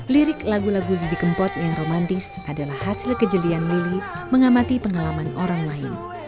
lirik lagu lagu didi kempot yang romantis adalah hasil kejelian lili mengamati pengalaman orang lain